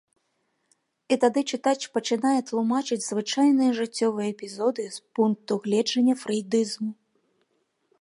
І тады чытач пачынае тлумачыць звычайныя жыццёвыя эпізоды з пункту гледжання фрэйдызму.